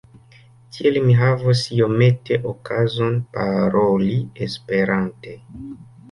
Tiel mi havos iomete okazon paroli Esperante.